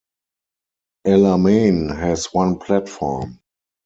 Alamein has one platform.